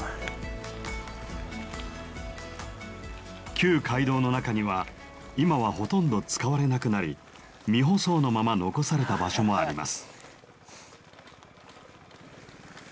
旧街道の中には今はほとんど使われなくなり未舗装のまま残された場所もあります。